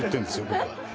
僕は。